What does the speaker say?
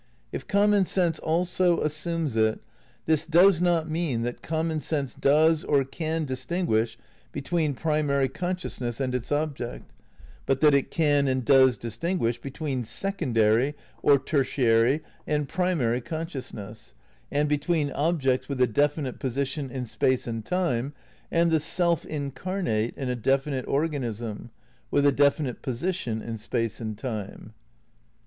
If common sense also assumes it, this does not mean that common sense does or can distinguish between primary consciousness and its object, but that it can and does distinguish between secondary (or ter ' Space, Time cmd Deity, Vol I, p. 15. IX RECONSTRUCTION OF IDEALISM 281 tiary) and primary consoionsness, and between objects with a definite position in space and time, and the self incarnate in a definite organism with a definite position in space and time.